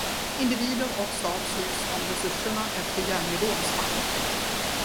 Individer och stat slogs om resurserna efter järnridåns fall.